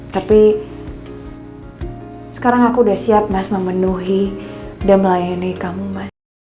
tapi sekarang aku udah siap mas memenuhi dan melayani kamu mas